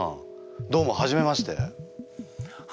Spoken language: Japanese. どうも初めまして。